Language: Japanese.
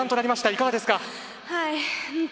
いかがですか？